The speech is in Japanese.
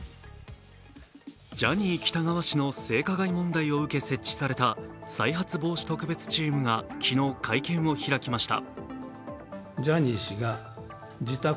ジャニー喜多川氏の性加害問題を受け設置された再発防止特別チームが昨日、会見を開きました。